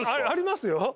ありますよ